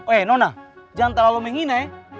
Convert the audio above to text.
weh nona jangan terlalu menghina ya